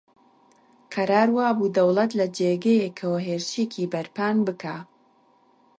قەرار وا بوو دەوڵەت لە جێگەیەکەوە هێرشێکی بەرپان بکا